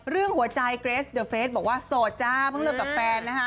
เรื่องหัวใจเกรสเดอร์เฟสบอกว่าโสดจ้าเพิ่งเลิกกับแฟนนะคะ